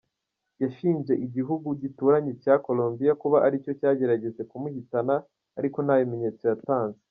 Yashinje igihugu gituranyi cya Colombia kuba ari cyo cyagerageje kumuhitana, ariko nta bimenyetso yatanze.